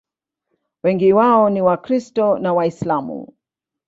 Wengi wao ni Wakristo na Waislamu.